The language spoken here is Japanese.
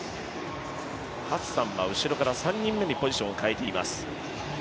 ハッサンは後ろから３人目にポジションを変えています。